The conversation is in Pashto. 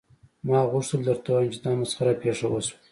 ما غوښتل درته ووایم چې دا مسخره پیښه وشوه